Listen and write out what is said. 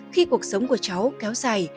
khi cuộc sống của cháu kéo dài